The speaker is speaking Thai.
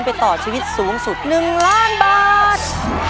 ไปต่อชีวิตสูงสุด๑ล้านบาท